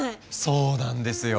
そうなんですよ。